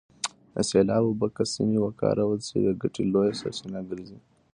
د سیلاب اوبه که سمې وکارول سي د ګټې لویه سرچینه ګرځي.